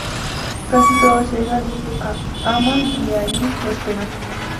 Casi todos llegan a Aman y ahí prosperan.